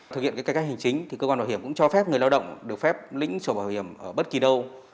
thực hiện các hình chính cơ quan bảo hiểm cũng cho phép người lao động được phép lĩnh sổ bảo hiểm ở bất kỳ đâu